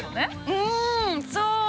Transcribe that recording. ◆うん、そう！